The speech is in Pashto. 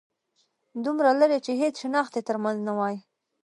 دومره لرې چې هيڅ شناخت يې تر منځ نه وای